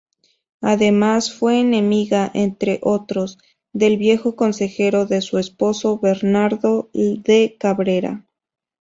Además, fue enemiga, entre otros, del viejo consejero de su esposo, Bernardo de Cabrera.